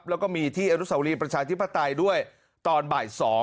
แล้วก็มีที่อนุสาวรีประชาธิปไตยด้วยตอนบ่าย๒